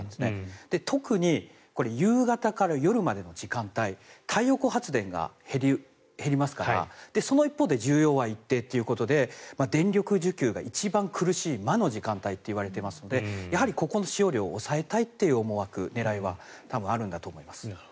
特に夕方から夜までの時間帯太陽光発電が減りますからその一方で需要は一定ということで電力需給が一番苦しい魔の時間帯といわれているのでやはりここの使用量を抑えたいという思惑はあるんだと思います。